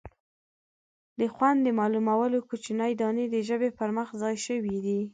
د خوند د معلومولو کوچنۍ دانې د ژبې پر مخ ځای شوي دي.